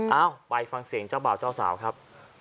เอ้าไปฟังเสียงเจ้าบ่าวเจ้าสาวครับ